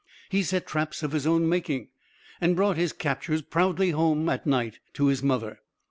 He set traps of his own making, and brought his captures proudly home at night to his mother.